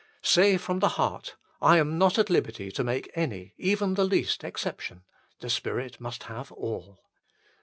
Say from the heart :" I am not at liberty to make any, even the least, exception : the Spirit must have all."